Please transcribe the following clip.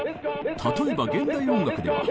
例えば現代音楽では。